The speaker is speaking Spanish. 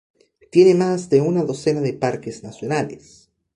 Tiene más de una docena de parques nacionales.